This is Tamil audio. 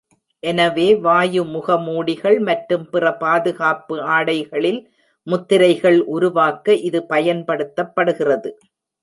எனவே வாயு முகமூடிகள் மற்றும் பிற பாதுகாப்பு ஆடைகளில் முத்திரைகள் உருவாக்க இது பயன்படுத்தப்படுகிறது.